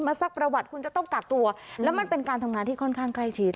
ซักประวัติคุณจะต้องกักตัวแล้วมันเป็นการทำงานที่ค่อนข้างใกล้ชิด